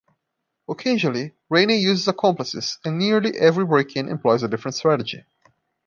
Occasionally, Rainey uses accomplices, and nearly every break-in employs a different strategy.